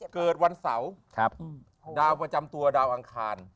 เกิดวันเสาร์ดาวประจำตัวดาวอังคาร